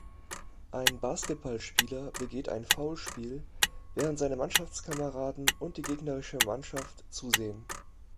Ein Basketballspieler begeht ein Foulspiel, während seine Mannschaftskameraden und die gegnerische Mannschaft zusehen.